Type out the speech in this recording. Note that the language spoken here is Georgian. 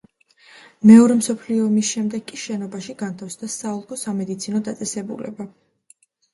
მეორე მსოფლიო ომის შემდეგ კი შენობაში განთავსდა საოლქო სამედიცინო დაწესებულება.